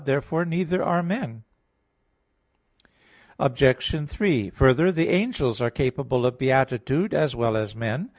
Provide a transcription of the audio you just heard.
Therefore neither are men. Obj. 3: Further, the angels are capable of beatitude, as well as men.